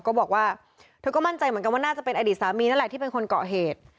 ก็บอกว่าเธอก็มั่นใจเหมือนกันว่าน่าจะเป็นอดีตสามีนั่นแหละที่เป็นคนเกาะเหตุ